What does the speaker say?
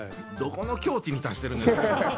どこの境地に達してるんです？